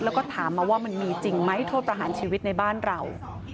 แล้วก็ถามมาว่ามันมีจริงไหมโทษประหารชีวิตในบ้านเรา